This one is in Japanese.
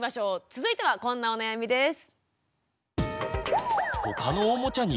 続いてはこんなお悩みです。